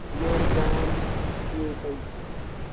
گوڙ باجآم ٿئي پئيٚ۔